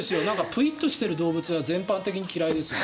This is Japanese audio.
プイっとしている動物は全般的に嫌いですよ。